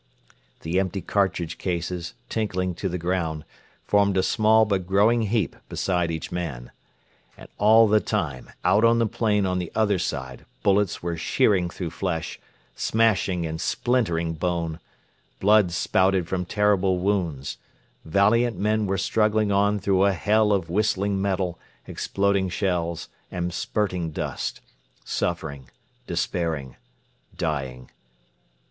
The empty cartridge cases, tinkling to the ground, formed a small but growing heap beside each man. And all the time out on the plain on the other side bullets were shearing through flesh, smashing and splintering bone; blood spouted from terrible wounds; valiant men were struggling on through a hell of whistling metal, exploding shells, and spurting dust suffering, despairing, dying.